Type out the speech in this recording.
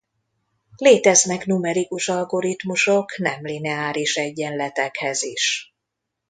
Léteznek numerikus algoritmusok nemlineáris egyenletekhez is.